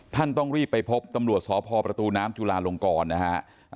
ต้องรีบไปพบตำรวจสพประตูน้ำจุลาลงกรนะฮะ